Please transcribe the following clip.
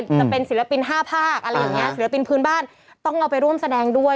จะเป็นศิลปิน๕ภาคศิลปินบ้านต้องเอาไปร่วมแสดงด้วย